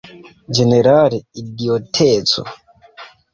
Ĝenerale, idioteco!